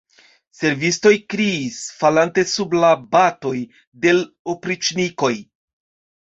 Servistoj kriis, falante sub la batoj de l' opriĉnikoj.